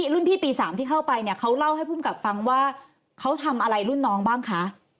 รุ่นพี่ปี๓ที่เข้าไปเนี่ยเขาเล่าให้ภูมิกับฟังว่าเขาทำอะไรรุ่นน้องบ้างคะ